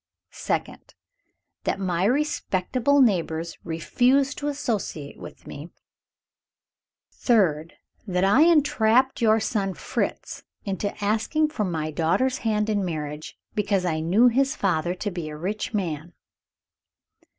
"(Second.) That my respectable neighbors refuse to associate with me. "(Third.) That I entrapped your son Fritz into asking for my daughter's hand in marriage, because I knew his father to be a rich man.